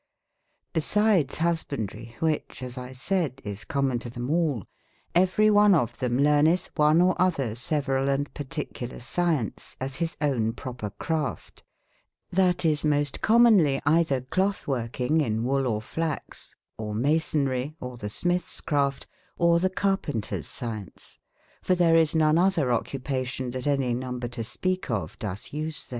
Besides husbandrie, whiche (as X saide) is common to them all, everye one of them learneth one or other several & particular science, as his owne proper craf te. TThat is most com m only either clothwork in g in wol or fliaxe, or masonrie, or the smithes craft, or the carpenters science, for there is none oth/ er occupation that any number to speake of doth use there.